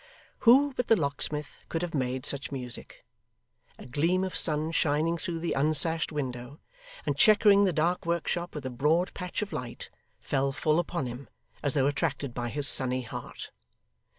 Who but the locksmith could have made such music! A gleam of sun shining through the unsashed window, and chequering the dark workshop with a broad patch of light, fell full upon him, as though attracted by his sunny heart.